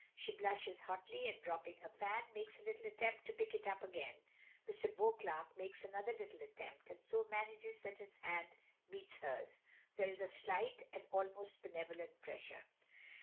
She blushes hotly, and, dropping her fan, makes a little attempt to pick it up again. Mr. Beauclerk makes another little attempt, and so manages that his hand meets hers. There is a slight, an almost benevolent pressure.